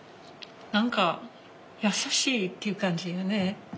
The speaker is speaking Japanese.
何か優しいっていう感じよね。